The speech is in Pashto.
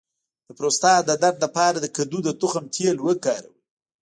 د پروستات د درد لپاره د کدو د تخم تېل وکاروئ